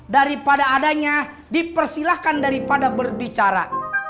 daripada adanya dipersilahkan daripada berbicara